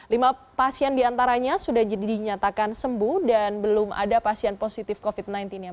lima pasien diantaranya sudah dinyatakan sembuh dan belum ada pasien positif covid sembilan belas yang